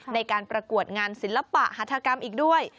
ในการประกวดงานศิลปะหัฐกรรมอีกด้วย